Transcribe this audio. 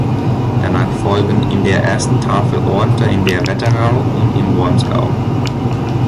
Danach folgen in der ersten Tafel Orte in der Wetterau und im Wormsgau.